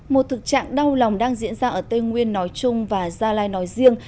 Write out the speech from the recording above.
một thực trạng đau lòng đang diễn ra ở tây nguyên nói chung và gia lai nói riêng